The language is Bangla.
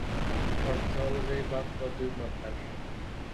অর্থ অনুযায়ী বাক্য দুই প্রকার।